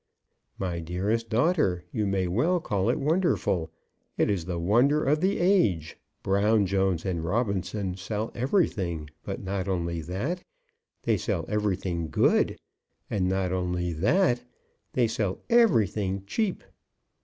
'" "My dearest daughter, you may well call it wonderful. It is the wonder of the age. Brown, Jones, and Robinson sell everything; but not only that, they sell everything good; and not only that they sell everything cheap.